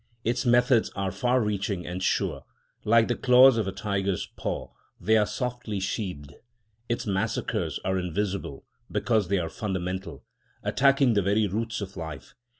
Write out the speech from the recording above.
Its methods are far reaching and sure. Like the claws of a tiger's paw, they are softly sheathed. Its massacres are invisible, because they are fundamental, attacking the very roots of life.